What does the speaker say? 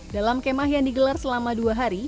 dalam kemah yang digelar selama dua hari